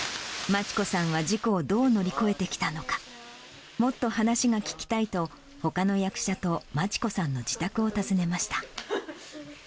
真知子さんは事故をどう乗り越えてきたのか、もっと話が聞きたいと、ほかの役者と、真知子さんの自宅を訪ねました。